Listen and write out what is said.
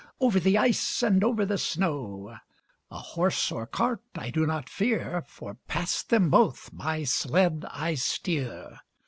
Over the ice, and over the snow; A horse or cart I do not fear. For past them both my sled I steer.